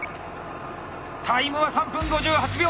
タイムは３分５８秒！